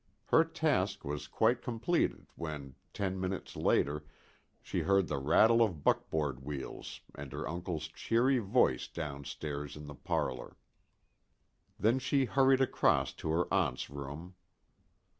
Her task was quite completed when, ten minutes later, she heard the rattle of buckboard wheels and her uncle's cheery voice down stairs in the parlor. Then she hurried across to her aunt's room.